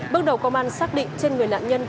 bước đầu công an xác định trên người nạn nhân